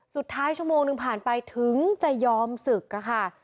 ชั่วโมงหนึ่งผ่านไปถึงจะยอมศึกค่ะ